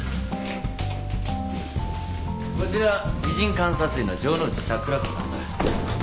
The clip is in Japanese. こちら美人監察医の城ノ内桜子さんだ。